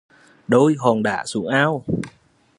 Đôi hòn đá xuống ao